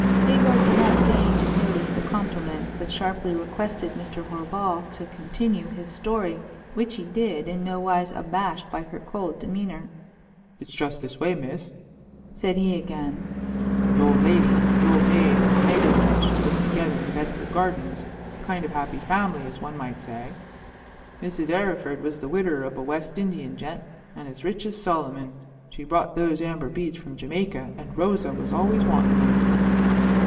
Hagar did not deign to notice the compliment, but sharply requested Mr. Horval to continue his story, which he did, in no wise abashed by her cold demeanor. "It's just this way, miss," said he again; "the old lady, the old maid and the nigger wench lived together in Bedford Gardens, a kind of happy family, as one might say. Mrs. Arryford was the widder of a West Indian gent, and as rich as Solomon. She brought those amber beads from Jamaica, and Rosa was always wanting them."